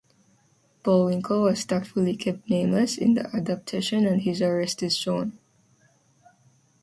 Bohlwinkel was tactfully kept nameless in the adaptation and his arrest is shown.